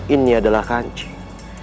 ini adalah kancing